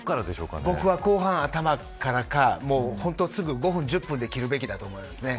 僕は後半頭からかすぐ５分、１０分で切るべきだと思いますね。